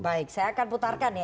baik saya akan putarkan ya